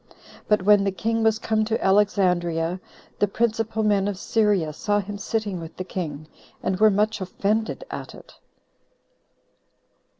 But when the king was come to Alexandria, the principal men of Syria saw him sitting with the king, and were much offended at it.